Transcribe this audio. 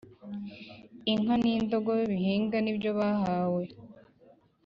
inka n’ indogobe bihinga nibyo bahawe